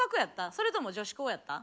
それとも女子校やった？